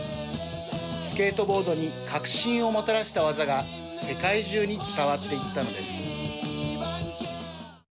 スケートボードに革新をもたらした技が世界中に伝わっていったのです。